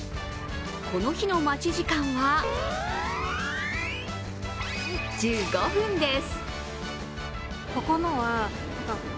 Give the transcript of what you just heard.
この日の待ち時間は１５分です。